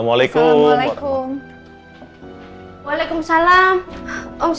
ini bartendernyaoping ma'am